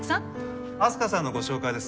明日花さんのご紹介です。